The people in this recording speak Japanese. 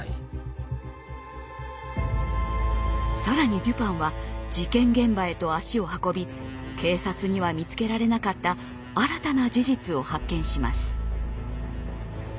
更にデュパンは事件現場へと足を運び警察には見つけられなかった新たな事実を発見します。